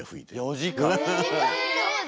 ４時間。え！？